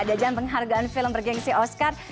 dan jangan penghargaan film bergengsi oscar